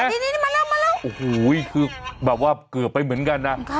อันนี้มันเริ่มมันเริ่มโอ้โหคือแบบว่าเกือบไปเหมือนกันนะ